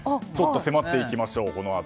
このあと迫っていきましょう。